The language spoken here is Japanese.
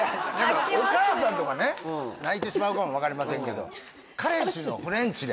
お母さんとかね泣いてしまうかもわかりませんけど彼氏のフレンチで？